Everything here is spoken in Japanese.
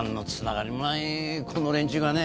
この連中がね。